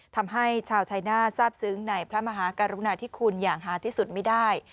ทำให้ชาวชายนาฏทราบซึ้งในพระมหากรุณาธิคุณอย่างหาที่สุดไม่ได้